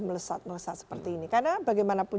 melesat melesat seperti ini karena bagaimanapun